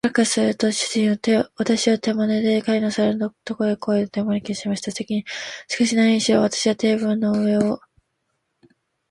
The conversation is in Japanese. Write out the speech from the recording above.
しばらくすると、主人は私を手まねで、彼の皿のところへ来い、と招きました。しかし、なにしろ私はテーブルの上を